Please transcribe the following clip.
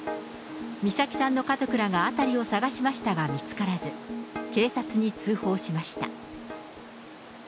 美咲さんの家族らが辺りを捜しましたが見つからず、警察に通報しました。